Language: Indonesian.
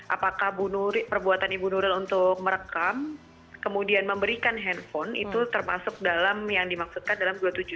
apakah perbuatan ibu nuril untuk merekam kemudian memberikan handphone itu termasuk dalam yang dimaksudkan dalam dua puluh tujuh